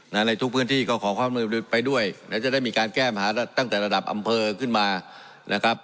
ในทุกพื้นที่ก็ขอความไปด้วยนะจะได้มีการแก้ปัญหาตั้งแต่ระดับอำเภอขึ้นมานะครับ